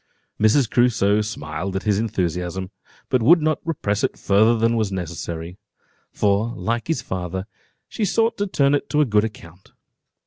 Mrs. Crusoe smiled at his enthusiasm, but would not repress it further than was necessary; for, like his father, she sought to turn it to a good account.